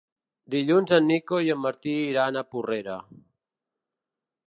Dilluns en Nico i en Martí iran a Porrera.